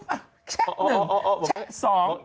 แชก๑แชก๒